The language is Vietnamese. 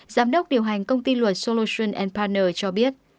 giám đốc điều hành công ty luật solution partner cho biết